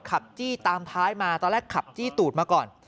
จี้ตามท้ายมาตอนแรกขับจี้ตูดมาก่อน